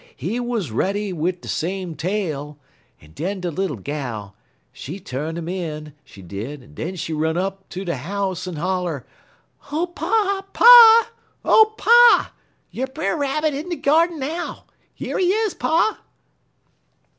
He wuz ready wid de same tale, en den de Little Gal, she tu'n 'im in, she did, en den she run up ter de house en holler: "'O pa! pa! O pa! Yer Brer Rabbit in de gyardin now! Yer he is, pa!'